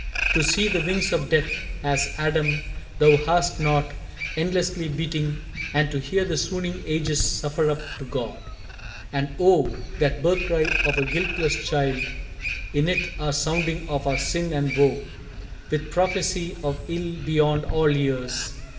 To see the wings of Death, as, Adam, thou Hast not, endlessly beating, and to hear The swooning ages suffer up to God! And Oh, that birth cry of a guiltless child In it are sounding of our sin and woe, With prophesy of ill beyond all years!